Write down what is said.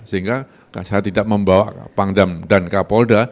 sehingga saya tidak membawa pangdam dan kapolda